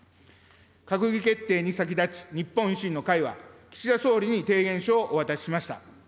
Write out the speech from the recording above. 閣議決定に先立ち、日本維新の会は、岸田総理に提言書をお渡ししました。